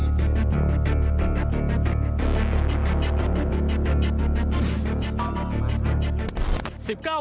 สวัสดีครับ